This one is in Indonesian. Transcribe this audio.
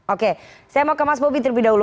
oke saya mau ke mas bobi terlebih dahulu